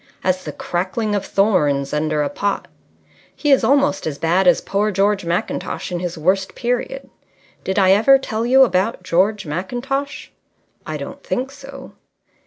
As the crackling of thorns under a pot.... He is almost as bad as poor George Mackintosh in his worst period. Did I ever tell you about George Mackintosh?" "I don't think so."